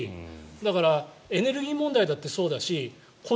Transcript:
だから、エネルギー問題だってそうだし。